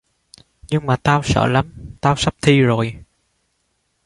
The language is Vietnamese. Nhưng mà tao sợ lắm Tao sắp thi rồi